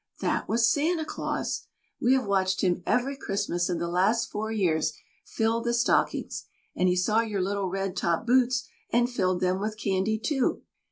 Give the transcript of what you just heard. That was Santa Claus. We have watched him every Christmas in the last four years fill the stockings, and he saw your little red topped boots and filled them with candy, too.